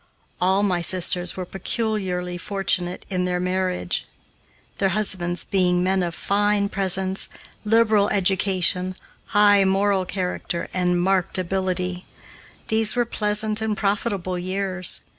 All my sisters were peculiarly fortunate in their marriages; their husbands being men of fine presence, liberal education, high moral character, and marked ability. These were pleasant and profitable years.